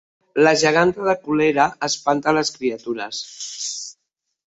La geganta de Colera espanta les criatures